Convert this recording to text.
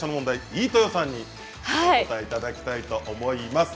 飯豊さんにお答えいただきたいと思います。